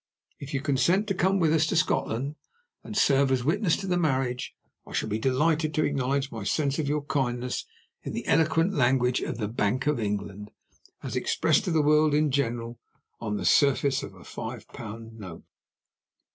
If you consent to come with us to Scotland, and serve as witness to the marriage, I shall be delighted to acknowledge my sense of your kindness in the eloquent language of the Bank of England, as expressed to the world in general on the surface of a five pound note."